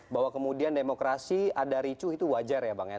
bahwa kemudian demokrasi ada ricu itu wajar ya bang ya